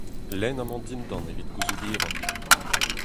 Lenn amañ dindan evit gouzout hiroc'h !